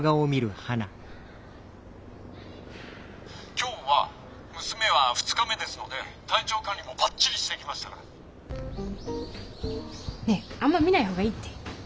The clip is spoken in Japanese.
「今日は娘は２日目ですので体調管理もばっちりしてきましたから！」。ねえあんま見ない方がいいって。